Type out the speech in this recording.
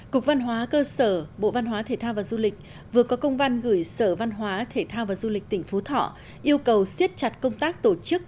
cục văn hóa cơ sở bộ văn hóa thể thao và du lịch vừa có công văn gửi sở văn hóa thể thao và du lịch tỉnh phú thọ yêu cầu siết chặt công tác tổ chức